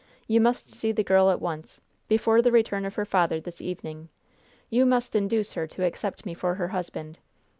You must see the girl at once, before the return of her father this evening. You must induce her to accept me for her husband.